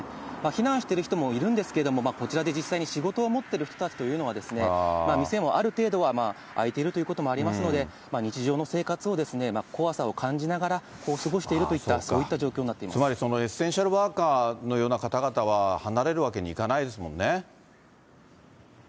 避難している人もいるんですけれども、こちらで実際に仕事を持ってる人たちというのは、店もある程度は開いているということもありますので、日常の生活を、怖さを感じながら、過ごしているといった、つまり、エッセンシャルワーカーのような方々は離れるわけにいかないです